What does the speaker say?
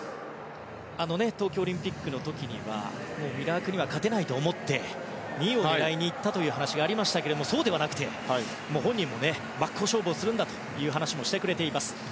東京オリンピックの時にはミラークには勝てないと思って２位を狙いにいったという話がありましたけれどもそうではなくて、本人も真っ向勝負をするんだと話をしてくれています。